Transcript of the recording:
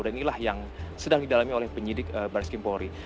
dan inilah yang sedang didalami oleh penyidik baris kimpori